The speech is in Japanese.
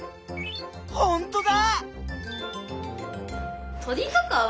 ほんとだ！